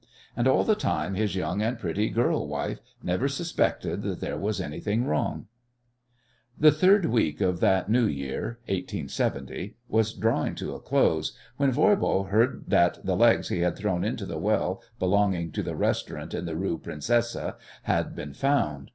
And all the time his young and pretty girl wife never suspected that there was anything wrong. The third week of that new year 1870 was drawing to a close when Voirbo heard that the legs he had thrown into the well belonging to the restaurant in the Rue Princesse had been found.